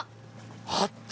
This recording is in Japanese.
あった！